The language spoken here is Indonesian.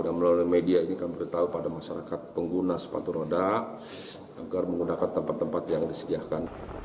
dan melalui media ini kami beritahu pada masyarakat pengguna sepatu roda agar menggunakan tempat tempat yang disediakan